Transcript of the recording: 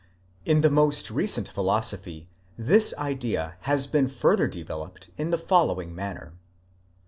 In the most recent philosophy this idea has been further developed in the following manner.?